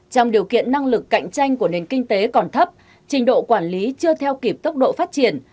trong điều kiện năng lực cạnh tranh của nền kinh tế còn thấp trình độ quản lý chưa theo kịp tốc độ phát triển